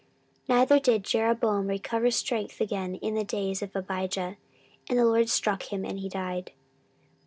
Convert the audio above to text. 14:013:020 Neither did Jeroboam recover strength again in the days of Abijah: and the LORD struck him, and he died.